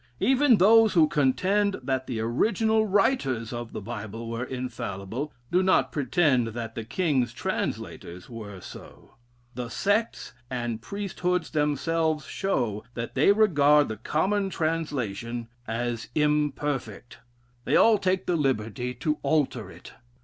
Even those who contend that the original writers of the Bible were infallible, do not pretend that the king's translators were so. The sects and priesthoods themselves show that they regard the common translation as imperfect. They all take the liberty to alter it.